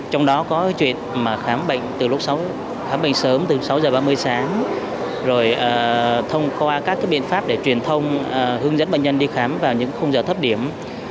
trong đó có chuyện khám bệnh sớm từ sáu h ba mươi sáng thông qua các biện pháp để truyền thông hướng dẫn bệnh nhân đi khám vào những khung giờ thấp điểm